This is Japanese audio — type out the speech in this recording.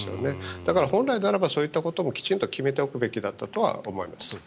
だから、本来であればそういうこともきちんと決めておくべきだったと思います。